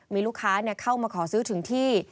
มีลูกค้าเข้ามาขอซื้อถึงที่